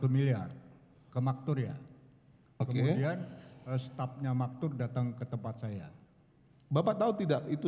satu miliar ke makturya oke yang stafnya makrid datang ke tempat saya bapak tahu tidak itu